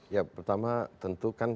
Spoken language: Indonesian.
ya pertama tentu kan